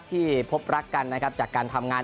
ที่พบรักกันนะครับจากการทำงาน